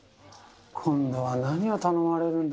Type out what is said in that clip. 今度は何を頼まれるんだ。